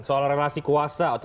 soal relasi kuasa atau